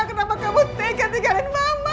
kenapa kamu tinggal tinggalkan mama